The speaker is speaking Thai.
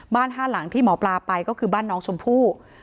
ห้าหลังที่หมอปลาไปก็คือบ้านน้องชมพู่